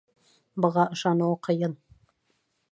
Быға ышаныуы ҡыйын.